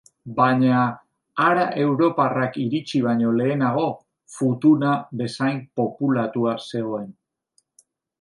Baina, hara europarrak iritsi baino lehenago, Futuna bezain populatua zegoen.